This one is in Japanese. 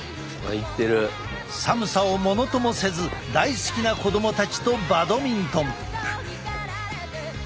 寒さをものともせず大好きな子供たちとバドミントン。